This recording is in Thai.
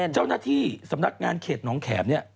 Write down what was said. เจ้าหน้าที่สำนักงานเขตน้องแขมเนี่ย